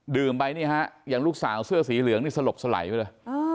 ดื่มไปนี่ฮะอย่างลูกสาวเสื้อสีเหลืองนี่สลบสไหลไว้ด้วย